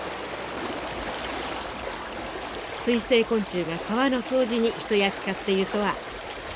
水生昆虫が川の掃除に一役買っているとは知りませんでした。